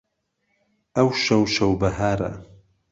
ئەوشەو شەو بەهارە